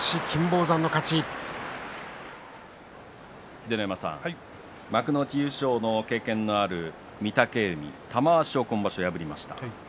秀ノ山さん幕内優勝の経験のある御嶽海、玉鷲を今場所、破りました。